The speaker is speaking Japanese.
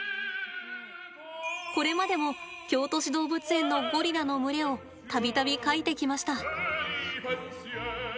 これまでも京都市動物園のゴリラの群れを度々、描いてきました。